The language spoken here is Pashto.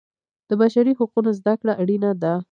د بشري حقونو زده کړه اړینه ده.